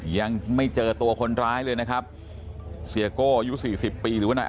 ยังไม่เจอตัวคนร้ายเลยนะครับเสียโก้อายุสี่สิบปีหรือว่านาย